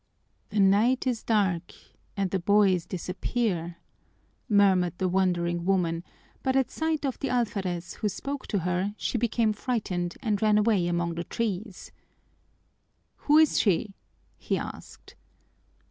"The night is dark and the boys disappear," murmured the wandering woman, but at sight of the alferez, who spoke to her, she became frightened and ran away among the trees. "Who is she?" he asked.